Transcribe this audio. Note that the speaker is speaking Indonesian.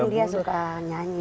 emang dia suka nyanyi juga